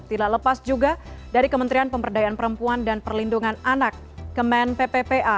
tidak lepas juga dari kementerian pemberdayaan perempuan dan perlindungan anak kemen pppa